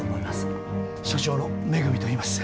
所長の恵といいます。